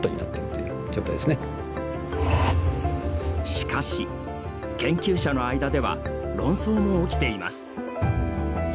しかし、研究者の間では論争も起きています。